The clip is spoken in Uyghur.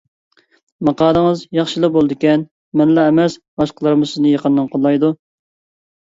ماقالىڭىز ياخشىلا بولىدىكەن مەنلا ئەمەس، باشقىلارمۇ سىزنى يېقىندىن قوللايدۇ.